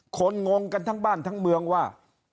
งงกันทั้งบ้านทั้งเมืองว่า